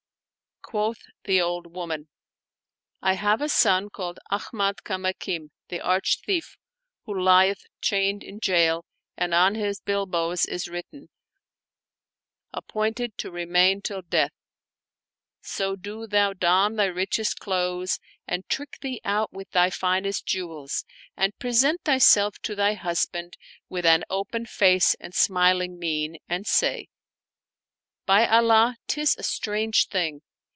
" Quoth the old woman, " I have a son called Ahmad Kamakim, the arch thief, who lieth chained in jail and on his bilboes is written; Appointed to remain till death; so do thou don thy richest clothes and trick thee out with thy finest jewels and present thyself to thy husband with an open face and smiling mien; and say: By Allah, 'tis a strange thing!